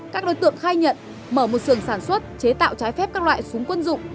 các đối tượng khai nhận mở một sường sản xuất chế tạo trái phép các loại súng quân dụng